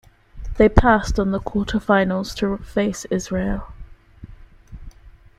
They passed on to the Quarterfinals to face Israel.